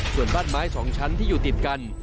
ส่วนบ้านไม้๒ชั้นที่อยู่ติดกัน